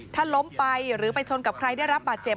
ถ้าล้มไปหรือไปชนกับใครได้รับบาดเจ็บ